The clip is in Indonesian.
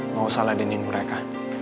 mau salahinin mereka